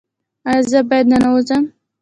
ایا زه باید ننوځم؟